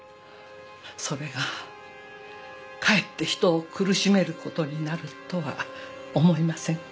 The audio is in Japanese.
それがかえって人を苦しめることになるとは思いませんか？